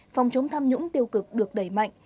phòng chống tham nhũng tiêu cực được đẩy mạnh